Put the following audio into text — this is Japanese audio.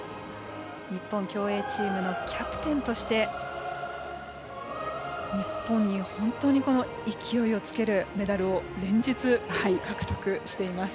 日本競泳チームのキャプテンとして日本に本当に勢いをつけるメダルを連日、獲得しています。